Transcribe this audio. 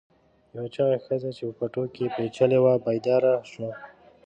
یوه چاغه ښځه چې په پټو کې پیچلې وه پدیدار شوه.